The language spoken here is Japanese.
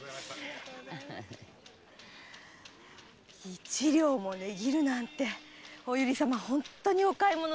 一両も値切るなんてお由利様は本当にお買い物上手ですね。